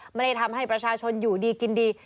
ไม่ได้ทำให้ประชาชนอยู่ดีกินดี